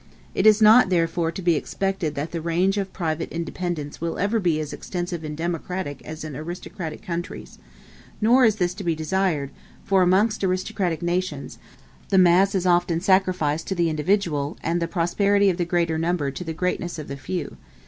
It is not therefore to be expected that the range of private independence will ever be as extensive in democratic as in aristocratic countries nor is this to be desired; for, amongst aristocratic nations, the mass is often sacrificed to the individual, and the prosperity of the greater number to the greatness of the few.